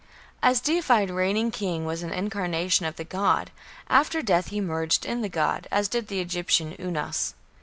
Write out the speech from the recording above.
A deified reigning king was an incarnation of the god; after death he merged in the god, as did the Egyptian Unas.